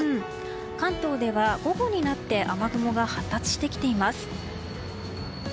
関東では午後になって雨雲が発達してきています。